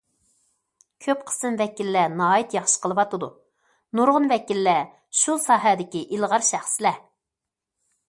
كۆپ قىسىم ۋەكىللەر ناھايىتى ياخشى قىلىۋاتىدۇ، نۇرغۇن ۋەكىللەر شۇ ساھەدىكى ئىلغار شەخسلەر.